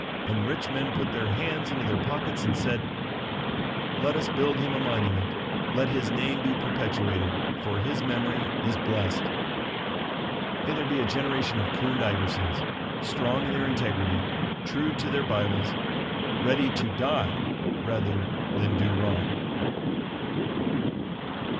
And rich men put their hands into their pockets and said, "Let us build him a monument; let his name be perpetuated, for his memory is blessed." May there be a generation of Kund Iversons, strong in their integrity, true to their Bibles ready to die rather than do wrong.